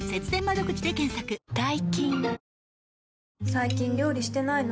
最近料理してないの？